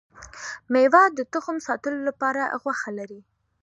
ميوه د تخم ساتلو لپاره غوښه لري